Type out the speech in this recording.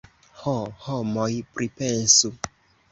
Ho, homoj, pripensu!